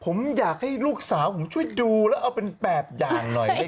ผมอยากให้ลูกสาวผมช่วยดูแล้วเอาเป็นแบบอย่างหน่อย